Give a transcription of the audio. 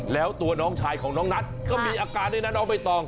แล้วตัวน้องชายของน้องนัทก็มีอาการในนั้นออกไปต่อ